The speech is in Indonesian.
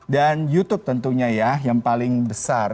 dan youtube tentunya ya yang paling besar